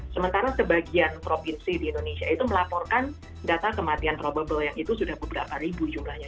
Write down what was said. sementara sebagian provinsi di indonesia itu melaporkan data kematian probable yang itu sudah beberapa ribu jumlahnya